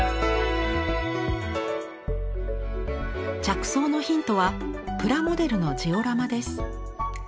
着想のヒントはプラモデルのジオラマです。